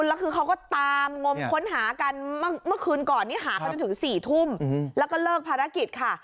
แล้วคือเขาก็ตามงมค้นหากันเมื่อคืนก่อนนี้หากันจนถึง๔ทุ่มแล้วก็เลิกภารกิจค่ะ